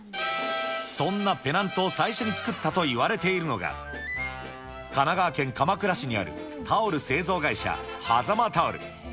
そんなペナントを最初に作ったといわれているのが、神奈川県鎌倉市にあるタオル製造会社、間タオル。